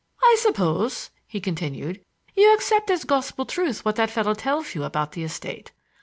"I suppose," he continued, "you accept as gospel truth what that fellow tells you about the estate.